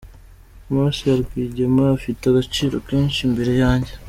Amaraso ya Rwigema afite agaciro kenshi imbere yanjye.